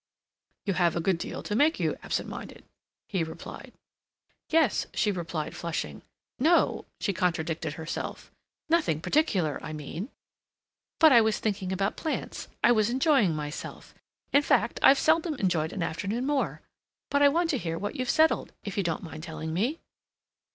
"You have a good deal to make you absent minded," he replied. "Yes," she replied, flushing. "No," she contradicted herself. "Nothing particular, I mean. But I was thinking about plants. I was enjoying myself. In fact, I've seldom enjoyed an afternoon more. But I want to hear what you've settled, if you don't mind telling me."